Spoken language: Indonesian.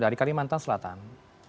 di bicara lokasi pertama